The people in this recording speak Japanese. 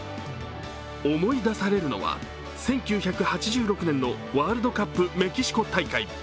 思い出されるのは１９８６年のワールドカップメキシコ大会。